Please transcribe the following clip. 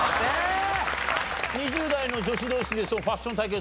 ２０代の女子同士でファッション対決